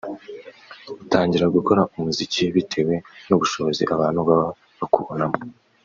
utangira gukora umuziki bitewe n’ubushobozi abantu baba bakubonamo